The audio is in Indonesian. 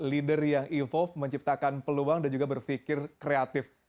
leader yang evolve menciptakan peluang dan juga berpikir kreatif